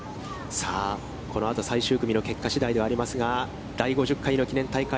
さあ、この後最終組の結果次第ではありますが、第５０回の記念大会